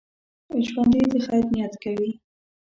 ژوندي د خیر نیت کوي